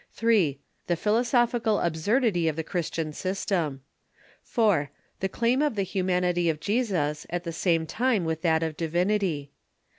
3. The philosophical absurdity of the Christian system. 4. The claim of the humanity of Jesus at the same time with that of divinity.